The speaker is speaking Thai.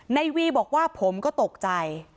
ในวีบอกว่าผมก็ตกใจ